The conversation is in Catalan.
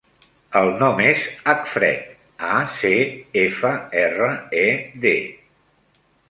El nom és Acfred: a, ce, efa, erra, e, de.